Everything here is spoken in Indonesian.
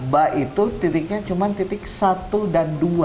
ba itu titiknya cuma titik satu dan dua